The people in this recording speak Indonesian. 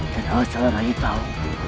dan asal rai tahu